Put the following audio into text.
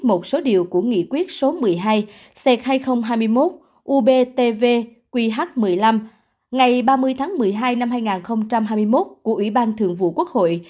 một số điều của nghị quyết số một mươi hai c hai nghìn hai mươi một ubtv qh một mươi năm ngày ba mươi tháng một mươi hai năm hai nghìn hai mươi một của ủy ban thường vụ quốc hội